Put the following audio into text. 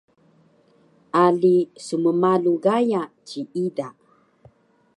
Ali smmalu Gaya ciida